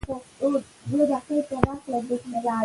د تعلیم په برخه کې همکاري د ټولو لپاره ګټه لري.